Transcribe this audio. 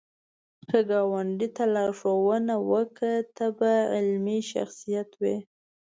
که ګاونډي ته لارښوونه وکړه، ته به علمي شخصیت وې